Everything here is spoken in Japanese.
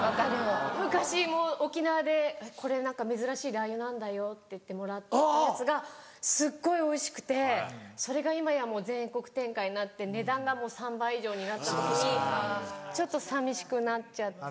昔も沖縄でこれ何か珍しいラー油なんだよっていってもらったやつがすっごいおいしくてそれが今やもう全国展開になって値段がもう３倍以上になった時にちょっと寂しくなっちゃって。